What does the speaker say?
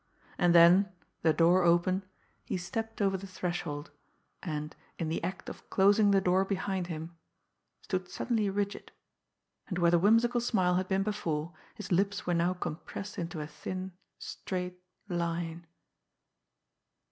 And then, the door open, he stepped over the threshold, and, in the act of closing the door behind him, stood suddenly rigid and where the whimsical smile had been before, his lips were now compressed into a thin, straight line.